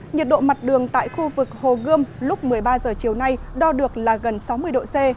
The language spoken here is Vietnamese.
nhiệt độ mặt đường tại khu vực hồ gươm lúc một mươi ba h chiều nay đo được là gần sáu mươi độ c